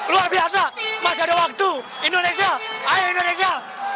luar biasa masih ada waktu indonesia ayo indonesia